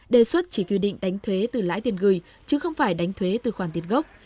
đề xuất chỉ quy định đánh thuế từ lãi tiền gửi chứ không phải đánh thuế từ khoản tiền gốc